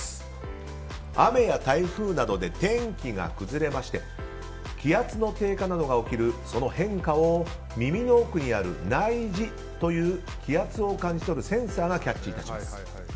雨や台風などで天気が崩れまして気圧の低下などが起きるその変化を耳の奥にある内耳という気圧を感じ取るセンサーがキャッチいたします。